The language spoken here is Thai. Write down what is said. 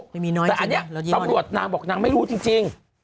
แต่อันนี้ตำรวจนางบอกนางไม่รู้จริง